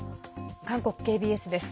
韓国ＫＢＳです。